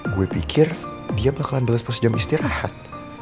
gue pikir dia bakalan bales posisi jam istirahat